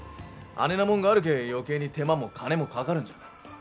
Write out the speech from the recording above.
あねなもんがあるけぇ余計に手間も金もかかるんじゃ。